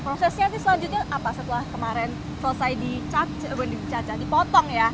prosesnya sih selanjutnya apa setelah kemarin selesai dipotong ya